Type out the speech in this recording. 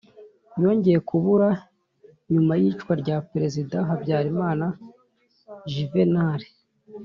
yongeye kubura nyuma y' iyicwa rya perezida habyarimana juvenal